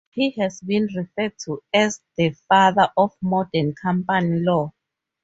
He has been referred to as "the father of modern company law".